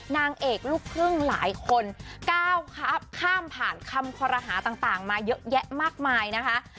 นางเอกลูกครึ่งหลายคนก้าวครับข้ามผ่านคำคอรหาต่างมาเยอะแยะมากมายนะคะ